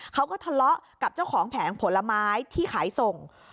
เขาก็ทะเลาะกับเจ้าของแผงผลไม้ที่ขายส่ง